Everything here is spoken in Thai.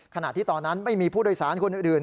ขณะที่ตอนนั้นไม่มีผู้โดยสารคนอื่น